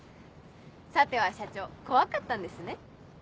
さては社長怖かったんですね。